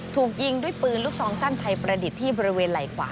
ถูกยิงด้วยปืนลูกซองสั้นไทยประดิษฐ์ที่บริเวณไหล่ขวา